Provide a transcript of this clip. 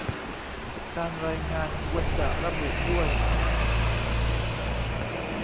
การรายงานควรจะระบุด้วย